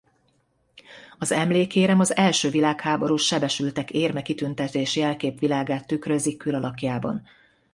Az emlékérem az első világháborús Sebesültek Érme kitüntetés jelkép világát tükrözi külalakjában.